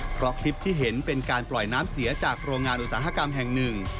เพราะคลิปที่เห็นเป็นการปล่อยน้ำเสียจากโรงงานอุตสาหกรรมแห่งหนึ่ง